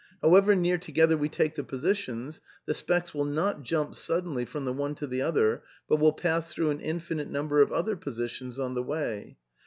However near to gether we take the positions, the specks will not jump suddenly from the one to the other, but will pass through an infinite number of other positions on the way.